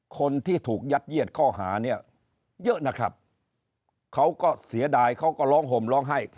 คนที่ถูกยัดเยียดข้อหาเนี่ยเยอะนะครับเขาก็เสียดายเขาก็ร้องห่มร้องไห้